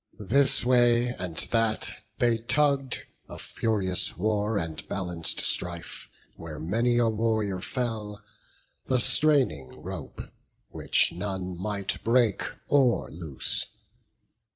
This way and that they tugg'd of furious war And balanc'd strife, where many a warrior fell, The straining rope, which none might break or loose.